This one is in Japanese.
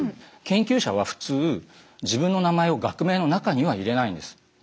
研究者は普通自分の名前を学名の中には入れないんです。